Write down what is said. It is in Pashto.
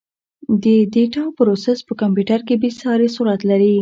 د ډیټا پروسس په کمپیوټر کې بېساري سرعت لري.